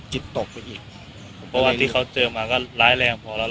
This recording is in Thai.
จิตตกไปอีกเพราะว่าที่เขาเจอมาก็ร้ายแรงพอแล้ว